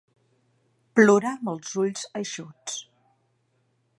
Plorar amb els ulls eixuts.